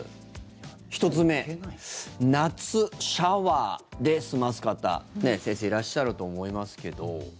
１つ目夏、シャワーで済ます方先生、いらっしゃると思いますけど。